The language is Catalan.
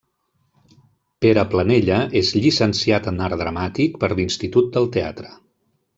Pere Planella és Llicenciat en Art Dramàtic per l'Institut del Teatre.